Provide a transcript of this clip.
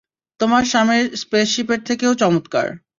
তোমার স্বামীর স্পেসশিপের থেকেও চমৎকার?